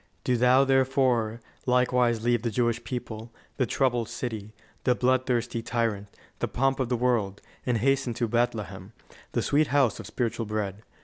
"Do thou, therefore, likewise leave the Jewish people, the troubled city, the bloodthirsty tyrant, the pomp of the world, and hasten to Bethlehem, the sweet house of spiritual bread.